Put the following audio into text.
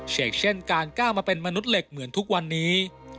เช่นการก้าวมาเป็นมนุษย์เหล็กเหมือนทุกวันนี้